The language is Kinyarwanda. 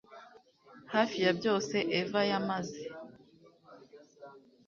Hafi ya byose Eva yamaze